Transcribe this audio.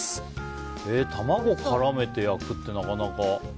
卵絡めて焼くってなかなか。